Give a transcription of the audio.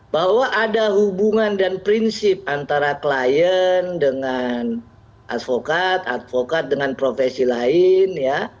bahwa ada hubungan dan prinsip antara klien dengan advokat advokat dengan profesi lain ya